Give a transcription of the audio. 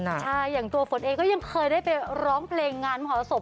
ใช่อย่างตัวฝนเองก็ยังเคยได้ไปร้องเพลงงานมหรสบ